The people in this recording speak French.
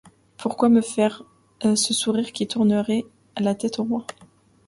Pourquoi me faire ce sourire Qui tournerait la tête au roi?